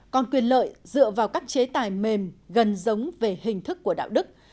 còn quyền lợi dựa vào các chế tài mềm gần giống về hình thức của đạo đức